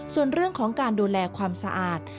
ส่วนเรื่องของการดูแลความสะอาด